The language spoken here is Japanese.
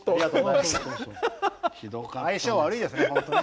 相性悪いですね本当ね。